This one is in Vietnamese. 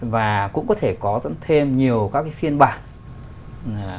và cũng có thể có thêm nhiều các cái phiên bản